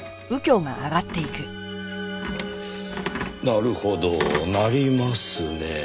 なるほど鳴りますねぇ。